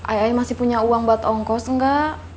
ae masih punya uang buat ongkos engga